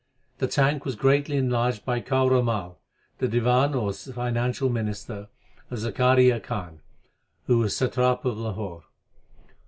The tank was greatly enlarged by Kaura Mai, the Diwan or financial minister of Zakaria Khan, who was satrap of Lahore.